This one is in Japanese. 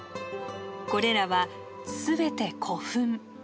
これらは全て古墳。